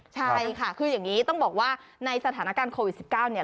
ใช่ค่ะคืออย่างนี้ต้องบอกว่าในสถานการณ์โควิด๑๙เนี่ย